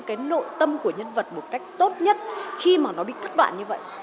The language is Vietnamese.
cái nội tâm của nhân vật một cách tốt nhất khi mà nó bị cắt đoạn như vậy